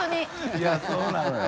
いやそうなのよ。